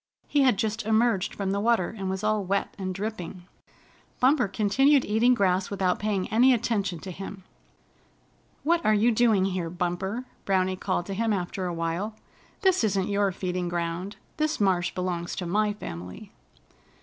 He had just emerged from the water, and was all wet and dripping. Bumper continued eating grass without paying any attention to him. "What are you doing here, Bumper?" Browny called to him after a while. "This isn't your feeding ground. This marsh belongs to my family."